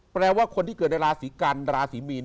แปลว่าคนที่เกิดในราศีกันราศีมีน